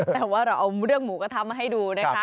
แต่ว่าเราเอาเรื่องหมูกระทะมาให้ดูนะคะ